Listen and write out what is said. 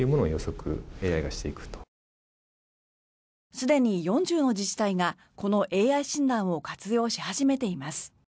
すでに４０の自治体がこのＡＩ診断を活用し始めています。